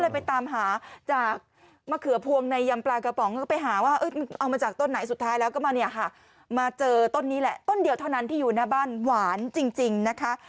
ไปหาว่าเอามาจากต้นไหนสุดท้ายแล้วก็มาเนี่ยค่ะมาเจอต้นนี้แหละต้นเดียวเท่านั้นที่อยู่หน้าบ้านหวานจริงนะคะ